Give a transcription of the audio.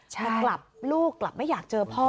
แต่กลับลูกกลับไม่อยากเจอพ่อ